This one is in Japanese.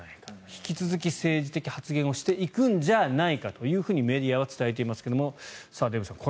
引き続き政治的発言をしていくんじゃないかとメディアは伝えていますがさあ、デーブさん